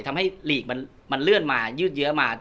ทำให้ลีกมันเลื่อนมายืดเยอะมา